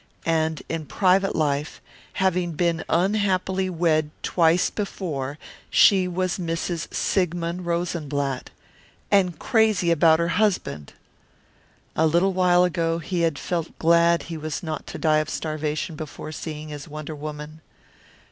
And in private life, having been unhappily wed twice before, she was Mrs. Sigmund Rosenblatt. And crazy about her husband! A little while ago he had felt glad he was not to die of starvation before seeing his wonder woman.